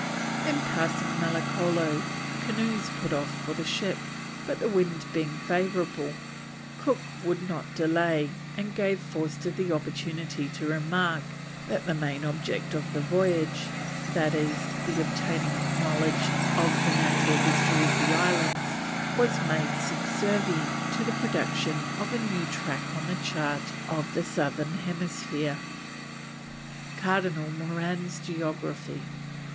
In passing Malicolo canoes put off for the ship, but the wind being favourable, Cook would not delay, and gave Forster the opportunity to remark that the main object of the voyage, i.e. the obtaining a knowledge of the natural history of the islands, was made subservient to the production of a new track on the chart of the Southern Hemisphere. CARDINAL MORAN'S GEOGRAPHY.